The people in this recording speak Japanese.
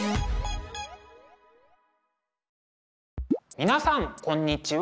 皆さんこんにちは。